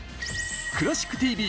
「クラシックＴＶ」